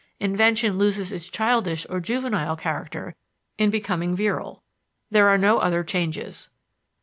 Invention loses its childish or juvenile character in becoming virile; there are no other changes.